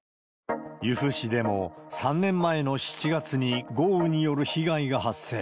由布市でも３年前の７月に、豪雨による被害が発生。